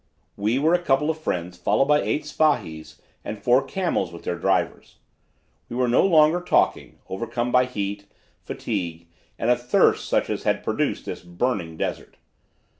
"We were a couple of friends followed by eight spahis and four camels with their drivers. We were no longer talking, overcome by heat, fatigue, and a thirst such as had produced this burning desert.